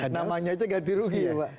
namanya aja ganti rugi ya pak